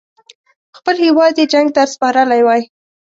خپل هیواد یې جنګ ته سپارلی وای.